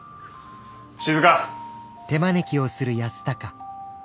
静！